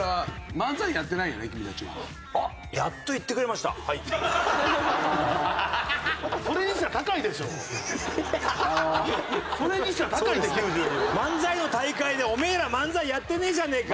漫才の大会でお前ら漫才やってねえじゃねえか。